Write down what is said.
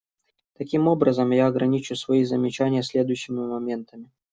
Таким образом, я ограничу свои замечания следующими моментами.